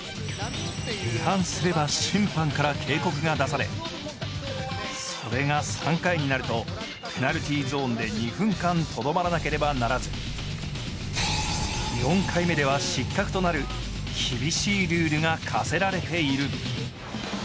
違反すれば審判から警告が出されそれが３回になると、ペナルティゾーンで２分間とどまらなければならず４回目では失格となる厳しいルールが課せられている。